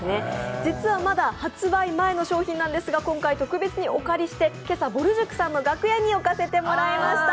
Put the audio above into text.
実はまだ発売前の商品なんですが今回、特別にお借りして、今朝、ぼる塾さんの楽屋に置かせてもらいました。